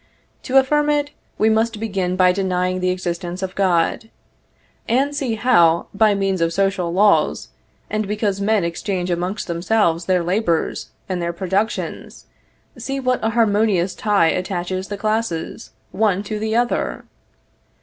To affirm it, we must begin by denying the existence of God. And see how, by means of social laws, and because men exchange amongst themselves their labors, and their productions, see what a harmonious tie attaches the classes, one to the other!